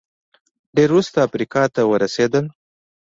ډېر وروسته افریقا ته ورسېدل